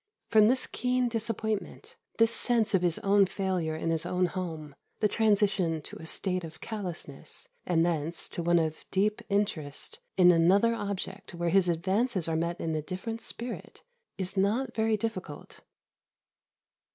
From this keen disappointment, this sense of his own failure in his own home, the transition to a state of callousness, and thence, to one of deep interest in another object where his advances are met in a different spirit, is not very difficult.